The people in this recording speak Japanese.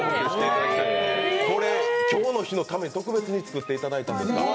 今日の日のために特別に作っていただいたんですか。